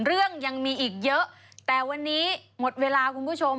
เรื่องยังมีอีกเยอะแต่วันนี้หมดเวลาคุณผู้ชม